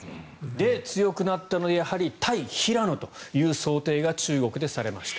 で、強くなったので対平野という想定が中国でされました。